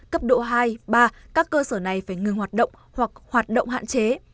cấp độ hai ba các cơ sở này phải ngừng hoạt động hoặc hoạt động hạn chế